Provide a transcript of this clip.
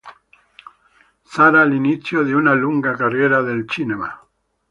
Sarà l'inizio di una lunga carriera nel cinema.